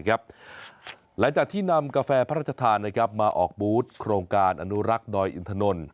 หลังจากที่นำกาแฟพระราชทานมาออกบูธโครงการอนุรักษ์ดอยอินทนนท